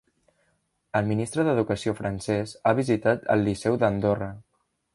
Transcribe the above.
El ministre d'Educació francès ha visitat el Liceu d'Andorra